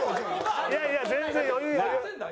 いやいや全然余裕余裕。